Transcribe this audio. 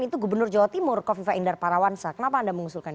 itu gubernur jawa timur kofifa indar parawansa kenapa anda mengusulkan